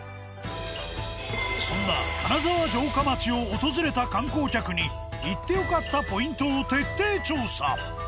そんな金沢城下町を訪れた観光客に行って良かったポイントを徹底調査。